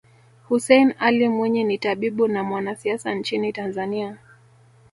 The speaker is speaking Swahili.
Hussein Ally Mwinyi ni tabibu na mwanasiasa nchini Tanzania